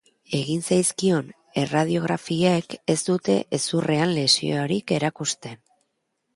Egin zaizkion erradiografiek ez dute hezurrean lesiorik erakusten.